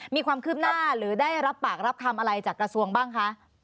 มีความคืบหน้าหรือได้รับปากรับคำอะไรจากกระทรวงบ้างคะ